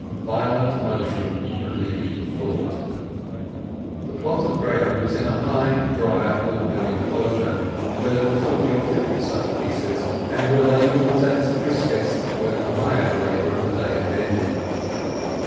Violent motion relieved thought. The plot of ground was in a high, dry, open enclosure, where there were forty or fifty such pieces, and where labour was at its briskest when the hired labour of the day had ended.